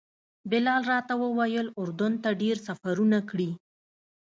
بلال راته وویل اردن ته ډېر سفرونه کړي.